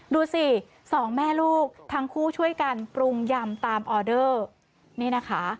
ดูสิสองแม่ลูกทั้งคู่ช่วยกันปรุงยำตามออเดอร์นี่นะคะ